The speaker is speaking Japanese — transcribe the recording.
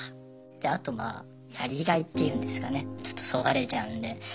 であとまあやりがいっていうんですかねちょっとそがれちゃうんで。